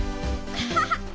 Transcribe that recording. アハハ！